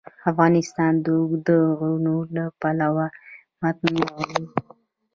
افغانستان د اوږده غرونه له پلوه متنوع دی.